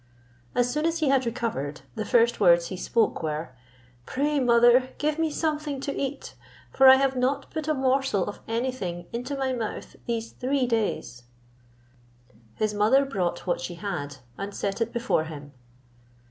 As soon as he recovered, the first words he spoke, were, "Pray, mother, give me something to eat, for I have not put a morsel of anything into my mouth these three days." His mother brought what she had, and set it before him.